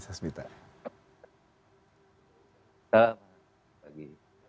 salam sehat selalu mas roni